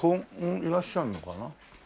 いらっしゃるのかな？